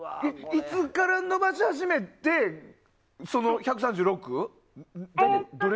いつから伸ばし始めて１３６？